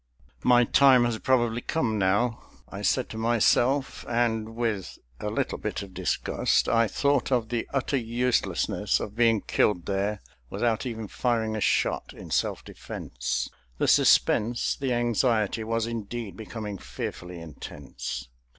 "My time has probably come now," I said to myself, and with a little bit of disgust I thought of the utter uselessness of being killed there without even firing a shot in self defense. The suspense, the anxiety, was indeed becoming fearfully intense.